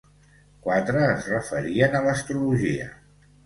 Quatre es referien a l'astrologia.